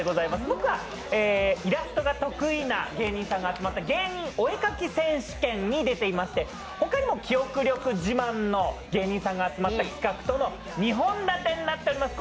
僕はイラストが得意な芸人さんが集まった、「芸人お絵描き選手権」に出ていまして、他にも記憶力自慢の芸人さんが集まった企画との２本立てになっています。